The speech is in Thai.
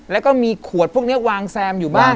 แล้วก็มีขวดพวกนี้วางแซมอยู่บ้าง